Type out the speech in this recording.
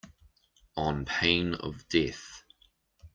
On pain of death.